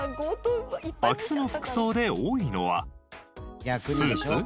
空き巣の服装で多いのはスーツ？